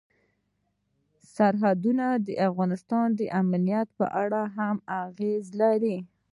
سرحدونه د افغانستان د امنیت په اړه هم اغېز لري.